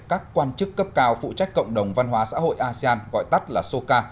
các quan chức cấp cao phụ trách cộng đồng văn hóa xã hội asean gọi tắt là soca